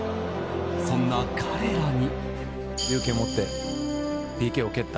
そんな彼らに。